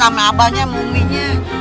sama abahnya muminya